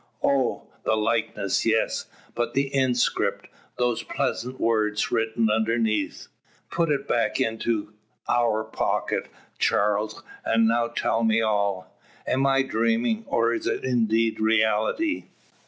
"Oh! the likeness, yes; but the inscript these pleasant words written underneath?" "Put it back into; our pocket, Charles. And now tell me all. Am I dreaming? Or is it indeed reality?"